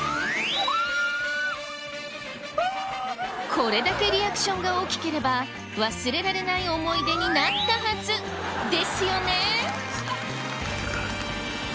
これだけリアクションが大きければ忘れられない思い出になったはずですよね！